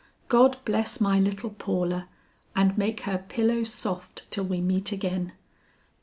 "God bless my little Paula and make her pillow soft till we meet again!"